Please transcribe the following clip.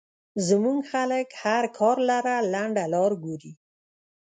زمونږ خلک هر کار له لنډه لار ګوري